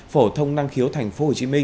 phổ thông năng khiếu tp hcm